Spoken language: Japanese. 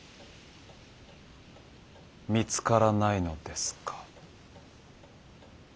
見つからないのですか？